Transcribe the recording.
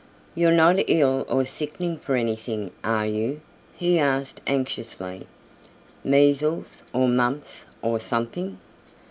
"You're not ill or sickening for anything, are you?" he asked anxiously; "measles, or mumps or something?"